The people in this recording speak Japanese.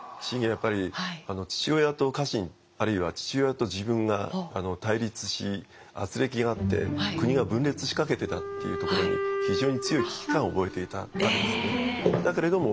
信玄はやっぱり父親と家臣あるいは父親と自分が対立し軋轢があって国が分裂しかけてたっていうところに非常に強い危機感を覚えていたわけです。